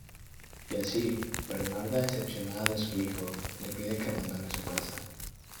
Y así, Bernarda, decepcionada de su hijo, le pide que abandone su casa.